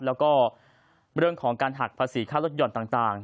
แล้วก็เรื่องของการหักภาษีค่าลดหย่อนต่าง